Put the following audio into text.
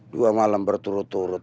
dua malam berturut turut